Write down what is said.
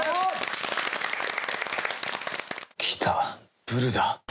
来たブルだ。